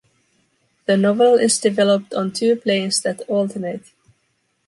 The novel is developed on two planes that alternate.